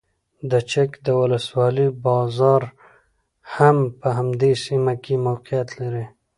د چک د ولسوالۍ بازار هم په همدې سیمه کې موقعیت لري.